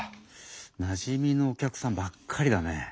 なじみのお客さんばっかりだね。